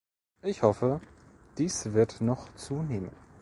Ich hoffe, dies wird noch zunehmen.